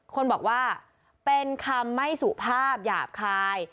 คนบอกว่าเป็นคำไม่สุภาพหยาบคาย